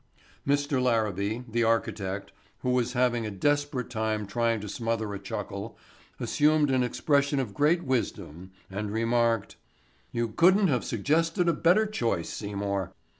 Mr. Larabee, the architect, who was having a desperate time trying to smother a chuckle, assumed an expression of great wisdom and remarked: "You couldn't have suggested a better choice, Seymour."